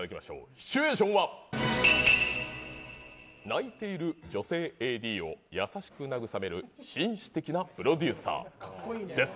シチュエーションは泣いている女性ＡＤを優しく慰める紳士的なプロデューサーです。